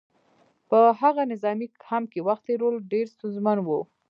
په هغه نظامي کمپ کې وخت تېرول ډېر ستونزمن وو